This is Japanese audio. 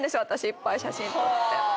いっぱい写真撮って。